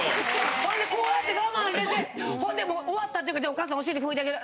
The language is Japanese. ほんでこうやって我慢しててほんでもう終わったってじゃあお母さんお尻拭いたげる